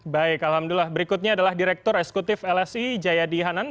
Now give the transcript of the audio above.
baik alhamdulillah berikutnya adalah direktur eksekutif lsi jayadi hanan